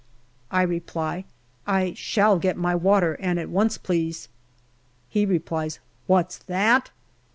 I reply, " I shall get my water, and at once, please." He replies, " What's that